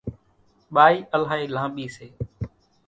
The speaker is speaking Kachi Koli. ٻائِي الائِي لانٻِي سي۔